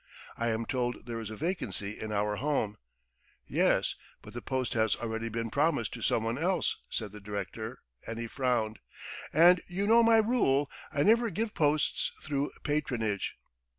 I am told there is a vacancy in our Home. ..." "Yes, but the post has already been promised to someone else," said the director, and he frowned. "And you know my rule: I never give posts through patronage."